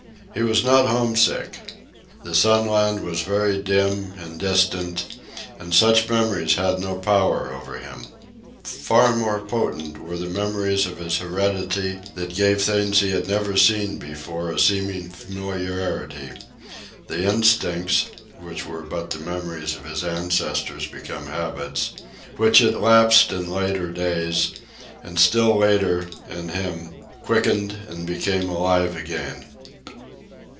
He was not homesick. The Sunland was very dim and distant, and such memories had no power over him. Far more potent were the memories of his heredity that gave things he had never seen before a seeming familiarity; the instincts (which were but the memories of his ancestors become habits) which had lapsed in later days, and still later, in him, quickened and become alive again.